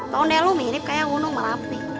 konde lu mirip kayak gunung merapi